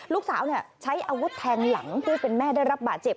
ลูกสาวใช้อาวุธแทงหลังผู้เป็นแม่ได้รับบาดเจ็บ